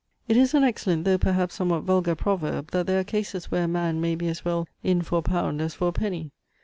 It is an excellent though perhaps somewhat vulgar proverb, that there are cases where a man may be as well "in for a pound as for a penny."